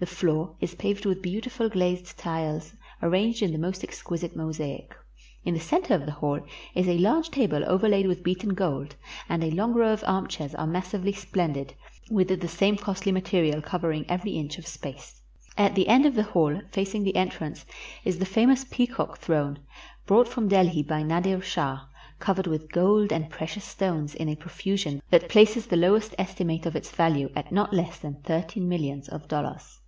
The floor is paved with beautiful glazed tiles, arranged in the most exquisite mosaic. In the center of the hall is a large table overlaid with beaten gold, and a long row of armchairs are massively splendid with the same costly material covering every inch of space. At the end of the hall, facing the entrance, is the famous Peacock Throne, brought from Delhi by Nadir Shah, covered with gold and precious stones in a profusion that places the lowest estimate of its value at not less than thirteen millions of dollars.